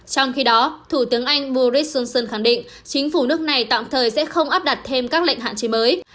trong khi đó thủ tướng anh boris johnson khẳng định chính phủ nước này tạm thời sẽ không áp đặt thêm các lệnh hạn chế mới